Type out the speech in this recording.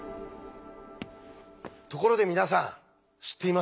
ところで皆さん知っていますか？